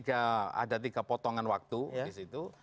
ada tiga potongan waktu di situ